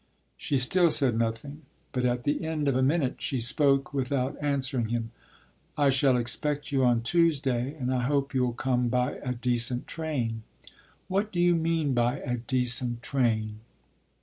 She still said nothing, but at the end of a minute she spoke without answering him. "I shall expect you on Tuesday, and I hope you'll come by a decent train." "What do you mean by a decent train?"